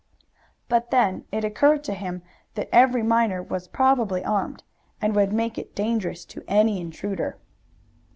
But then it occurred to him that every miner was probably armed, and would make it dangerous to any intruder.